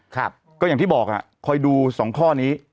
ก็อย่างที่บอกคอยดู๒ข้อนี้